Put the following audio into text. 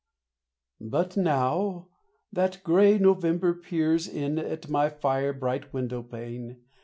But now that grey November peers In at my fire bright window pane?